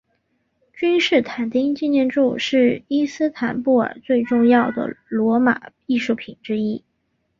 君士坦丁纪念柱是伊斯坦布尔最重要的罗马艺术品之一。